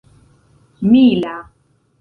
mila